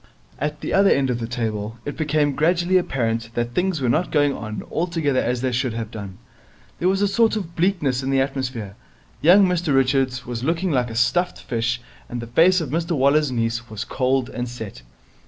At the other end of the table it became gradually apparent that things were not going on altogether as they should have done. There was a sort of bleakness in the atmosphere. Young Mr Richards was looking like a stuffed fish, and the face of Mr Waller's niece was cold and set.